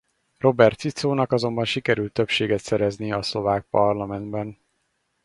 Robert Ficonak azonban sikerült többséget szerezni a szlovák parlamentben.